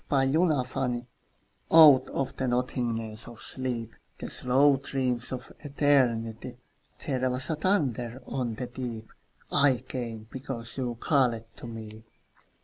The Call Out of the nothingness of sleep, The slow dreams of Eternity, There was a thunder on the deep: I came, because you called to me.